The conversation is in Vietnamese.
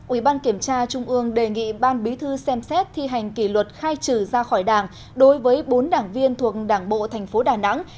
ủy ban kiểm tra trung ương đề nghị ban bí thư xem xét thi hành kỷ luật khai trừ ra khỏi đảng đối với bốn đảng viên thuộc đảng bộ tp đà nẵng